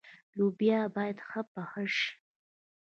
لوبیا باید ښه پخه شي.